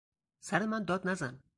سر من داد نزن!